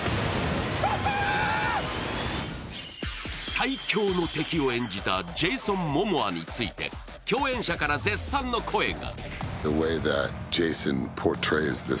最狂の敵を演じたジェイソン・モモアについて共演者から絶賛の声が。